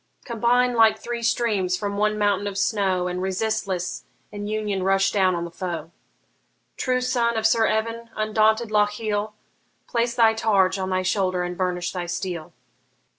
Combine like three streams from one mountain of snow, And resistless in union rush down on the foe! True son of Sir Evan, undaunted Lochiel, Place thy targe on thy shoulder and burnish thy steel!